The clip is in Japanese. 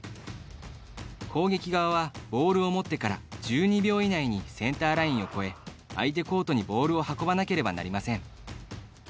攻撃側はボールを持ってから１２秒以内にセンターラインを越え相手コートにボールを運ばなければなりません。